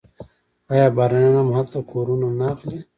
آیا بهرنیان هم هلته کورونه نه اخلي؟